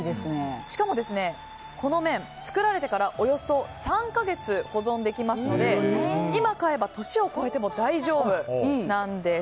しかも、この麺作られてからおよそ３か月保存できますので、今買えば年を越えても大丈夫なんです。